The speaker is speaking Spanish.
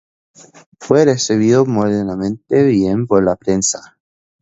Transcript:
Fue recibido moderadamente bien por la prensa.